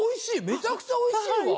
めちゃくちゃおいしいわ。